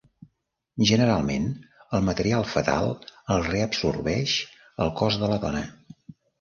Generalment, el material fetal el reabsorbeix el cos de la dona.